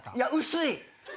薄い！